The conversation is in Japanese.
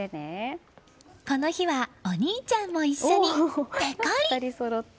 この日はお兄ちゃんも一緒にぺこり。